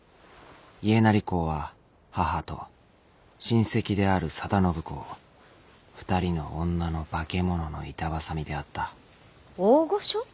家斉公は母と親戚である定信公２人の女の化け物の板挟みであった大御所？